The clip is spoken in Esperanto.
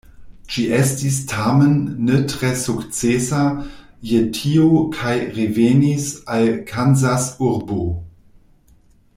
Ĝi estis tamen ne tre sukcesa je tio kaj revenis al Kansasurbo.